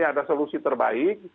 ada solusi terbaik